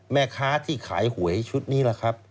แม่ค้าที่ขายหวยชุดนี้แหละครับ